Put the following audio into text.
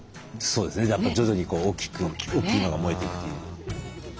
そうですね徐々に大きく大きいのが燃えていくという。